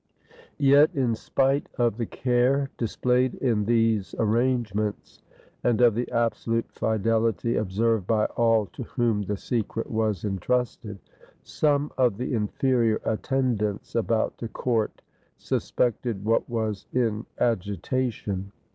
Yet in spite of the care displayed in these arrange ments, and of the absolute fidelity observed by all to whom the secret was entrusted, some of the inferior attendants about the court suspected what was in agi tation.